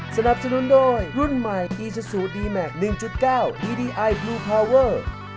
สนับสนุนโดยรุ่นใหม่ตีชสูดีแม็กซ์หนึ่งจุดเก้าดีดีไอบลูพาวเวอร์